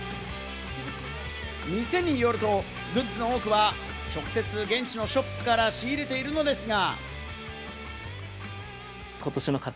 店によると、グッズの多くは、直接、現地のショップから仕入れているのですが。